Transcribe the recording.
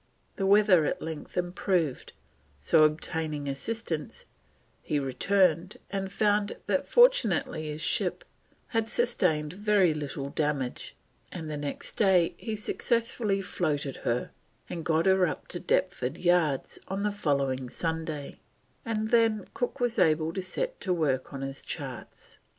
The weather at length improved, so obtaining assistance he returned and found that fortunately his ship had sustained very little damage, and the next day he successfully floated her, and got her up to Deptford yards on the following Sunday, and then Cook was able to set to work on his charts.